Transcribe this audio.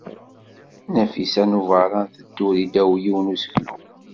Nafisa n Ubeṛṛan tedduri ddaw yiwen n useklu.